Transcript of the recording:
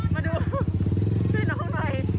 มาดูน้องไหน